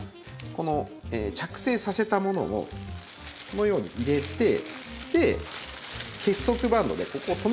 この着生させたものをこのように入れて結束バンドでここを留めてしまうんです。